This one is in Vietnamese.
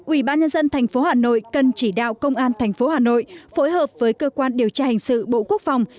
ubnd tp hà nội cần chỉ đạo công an tp hà nội phối hợp với cơ quan điều tra hành sự bộ quốc phòng